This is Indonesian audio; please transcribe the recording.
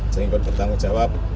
sering ikut bertanggung jawab